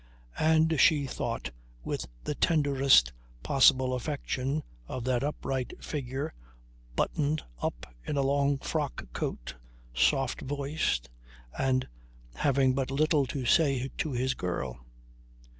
And she thought with the tenderest possible affection of that upright figure buttoned up in a long frock coat, soft voiced and having but little to say to his girl.